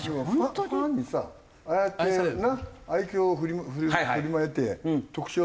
ファンにさああやってな愛嬌を振りまいて特徴を。